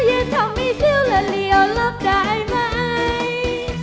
อย่าทำให้เที่ยวละเลี่ยวรับได้ไหม